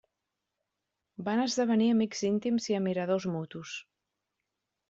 Van esdevenir amics íntims i admiradors mutus.